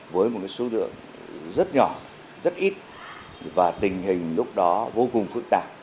với một số lượng rất nhỏ rất ít và tình hình lúc đó vô cùng phức tạp